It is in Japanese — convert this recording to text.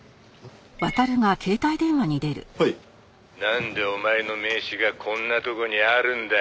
「なんでお前の名刺がこんなとこにあるんだ？」